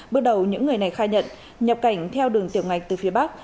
bước đầu những người này khai nhận nhập cảnh theo đường tiểu ngạch từ phía bắc